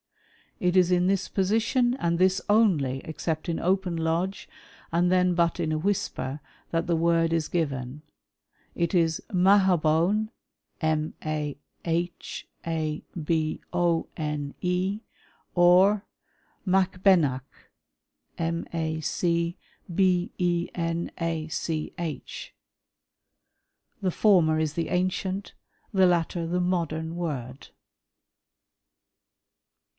It is in this position, and this only, " except in open lodge, and then but in a whisper, that the " word is given. It is Mahabone or Macbenacii. The former " is the ancient, the latter the modern word."